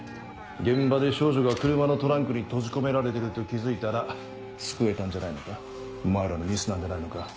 現場で少女が車のトランクに閉じ込められてると気付いたら救えたんじゃないのかお前らのミスなんじゃないのか。